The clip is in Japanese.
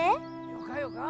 よかよか。